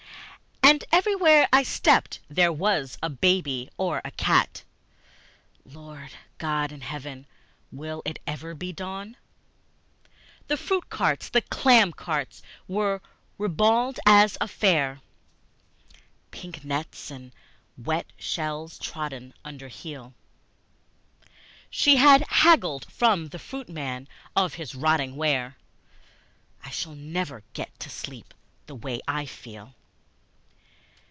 And everywhere I stepped there was a baby or a cat; (Lord, God in Heaven, will it ever be dawn?) The fruit carts and clam carts were ribald as a fair, (Pink nets and wet shells trodden under heel) She had haggled from the fruit man of his rotting ware; (I shall never get to sleep, the way I feel!)